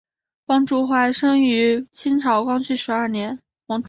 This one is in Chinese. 王竹怀生于清朝光绪十二年。